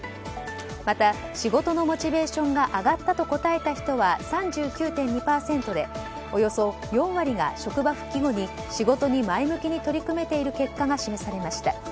また仕事のモチベーションが上がったと答えた人は３９．２％でおよそ４割が職場復帰後に、仕事に前向きに取り組めている結果が示されました。